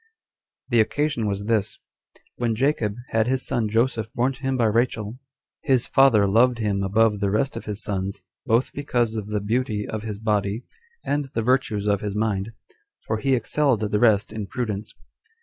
The occasion was this:When Jacob had his son Joseph born to him by Rachel, his father loved him above the rest of his sons, both because of the beauty of his body, and the virtues of his mind, for he excelled the rest in prudence.